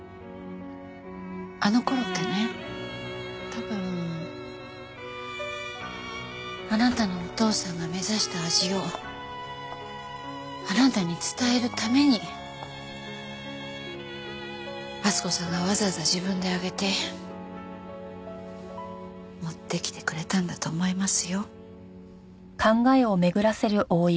多分あなたのお父さんが目指した味をあなたに伝えるために温子さんがわざわざ自分で揚げて持ってきてくれたんだと思いますよ。